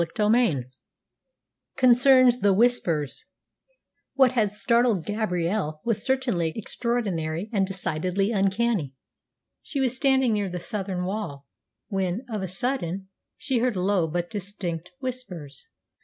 CHAPTER XI CONCERNS THE WHISPERS What had startled Gabrielle was certainly extraordinary and decidedly uncanny. She was standing near the southern wall, when, of a sudden, she heard low but distinct whispers.